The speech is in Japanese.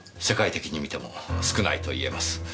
世界的にみても少ないといえます。